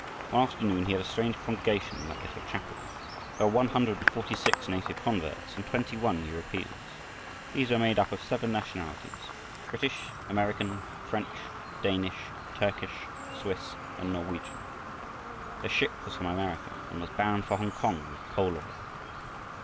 One afternoon he had a strange congregation in that little chapel. There were one hundred and forty six native converts and twenty one Europeans. These were made up of seven nationalities, British, American, French, Danish, Turkish, Swiss, and Norwegian. Their ship was from America and was bound for Hongkong with coal oil.